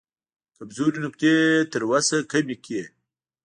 کمزورې نقطې یې تر وسې کمې کړې.